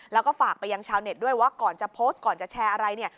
แล้วก็ฝากไปยังชาวเน็ตด้วยว่าก่อนจะโพสต์ก่อนจะแชร์อะไรเนี่ย